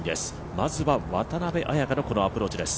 まずは渡邉彩香のこのアプローチです。